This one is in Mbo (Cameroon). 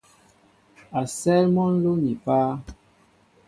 A sέέl mɔ nló ni páá.